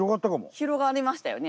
広がりましたよね。